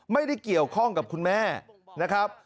ไม่ได้เกี่ยวข้องกับคุณแม่นะครับ